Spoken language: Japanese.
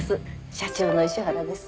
社長の石原です。